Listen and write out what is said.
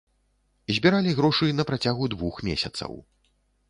Збіралі грошы на працягу двух месяцаў.